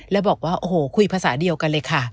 แล้วบอกว่าโอ้โหคุยภาษาเดียวกันเลยค่ะ